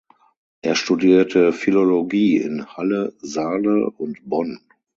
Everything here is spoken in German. Er studierte Philologie in Halle (Saale) und Bonn.